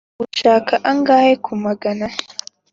ushaka angahe ku magana?